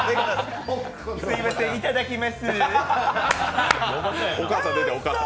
すいませんいただきます